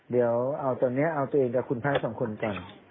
เดี๋ยวรอตัวเนี้ยรอตัวเองกับคุณภาพสองคนก่อน